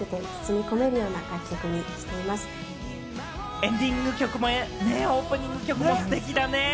エンディング曲もオープニング曲もステキだね。